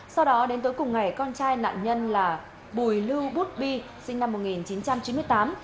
sau đó đến tối cùng ngày con trai nạn nhân là bùi lưu bút bi sinh năm một nghìn chín trăm chín mươi tám